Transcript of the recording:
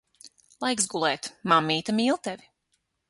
Laiks gulēt. Mammīte mīl tevi.